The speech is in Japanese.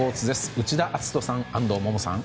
内田篤人さん、安藤萌々さん。